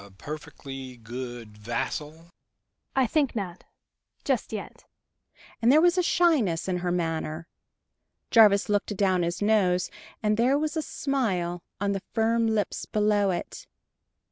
perfectly good vassal?" "I think not just yet," and there was a shyness in her manner. Jarvis looked adown his nose, and there was a smile on the firm lips below it!